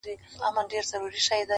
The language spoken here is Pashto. حدِاقل چي ته مي باید پُخلا کړې وای ـ